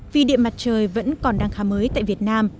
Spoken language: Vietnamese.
vì điện mặt trời vẫn còn đang khá mới tại việt nam